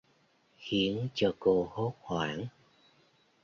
Khiến cho cô hốt hoảng